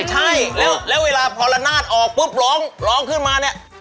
ใช่แล้วเวลาพอละนาดออกปุ๊บร้องร้องขึ้นมาเนี่ย